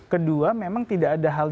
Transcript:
kedua memang tidak ada hal